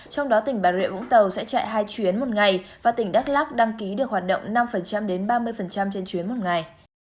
trong đó tỉnh bà rịa vũng tàu sẽ chạy hai chuyến một ngày và tỉnh đắk lắc đăng ký được hoạt động năm đến ba mươi trên chuyến một ngày